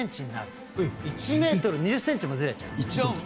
１ｍ２０ｃｍもずれちゃう。